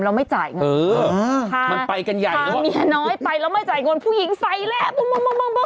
แล้วไม่จ่ายเงินถ้าสามีน้อยไปแล้วไม่จ่ายเงินผู้หญิงใส่แหละบึ๊บบึ๊บบึ๊บ